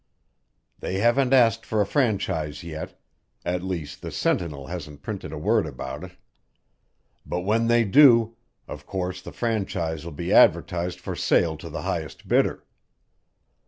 They haven't asked for a franchise yet; at least, the Sentinel hasn't printed a word about it; but when they do, of course the franchise will be advertised for sale to the highest bidder.